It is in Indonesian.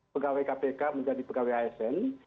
pegawai kpk menjadi pegawai asn